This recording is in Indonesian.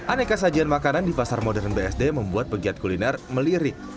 aneka sajian makanan di pasar modern bsd membuat pegiat kuliner melirik